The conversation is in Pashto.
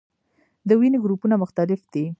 د وینې ګروپونه مختلف دي